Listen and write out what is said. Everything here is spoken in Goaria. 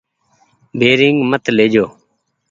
بيرينگ مت ليجو ۔